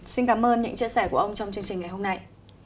xin cảm ơn những chia sẻ của ông trong chương trình ngày hôm nay